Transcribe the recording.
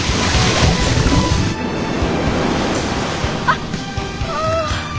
あっああ。